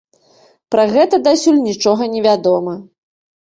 Пра гэта дасюль нічога невядома.